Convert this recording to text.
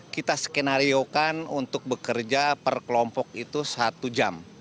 kita skenariokan untuk bekerja per kelompok itu satu jam